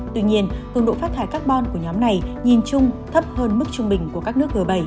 tuy nhiên cường độ phát thải carbon của nhóm này nhìn chung thấp hơn mức trung bình của các nước g bảy